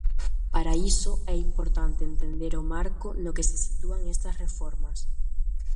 Para iso é importante entender o marco no que se sitúan estas reformas.